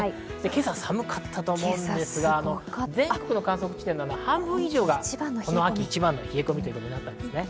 今朝、寒かったと思うんですが全国の観測地点の半分以上がこの秋一番の冷え込みとなったんですね。